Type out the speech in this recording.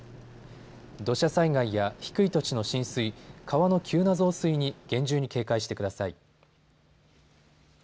土砂災害や低い土地の浸水、川の急な増水に厳重に警戒してください。